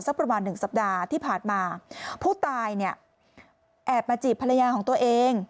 ประมาณหนึ่งสัปดาห์ที่ผ่านมาผู้ตายเนี่ยแอบมาจีบภรรยาของตัวเอง